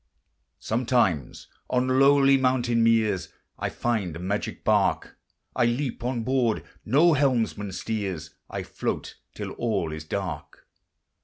Sometimes on lonely mountain meres I find a magic bark; I leap on board: no helmsman steers: I float till all is dark.